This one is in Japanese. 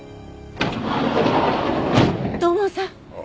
土門さん！